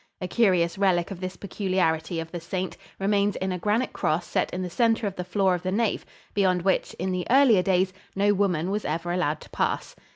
A curious relic of this peculiarity of the saint remains in a granite cross set in the center of the floor of the nave, beyond which, in the earlier days, no woman was ever allowed to pass.